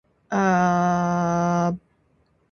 Aku muak dengan hal itu!